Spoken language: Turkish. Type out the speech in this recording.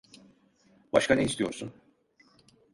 Başka ne istiyorsun?